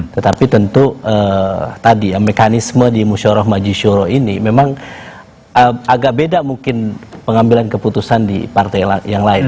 tetapi tentu tadi ya mekanisme di musyoroh majisyuro ini memang agak beda mungkin pengambilan keputusan di partai yang lain